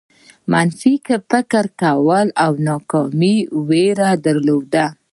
منفي فکر کول او د ناکامۍ وېره درلودل.